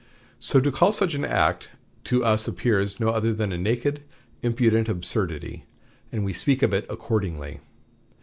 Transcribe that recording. So to call such an act, to us appears no other than a naked, impudent absurdity, and we speak of it accordingly.